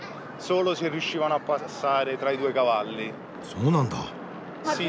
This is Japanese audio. そうなんだ。